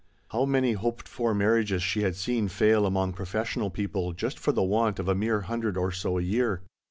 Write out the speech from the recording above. How many hoped for marriages she had seen fail among professional people just for the want of a mere hundred or so a year.